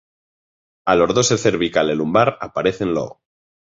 A lordose cervical e lumbar aparecen logo.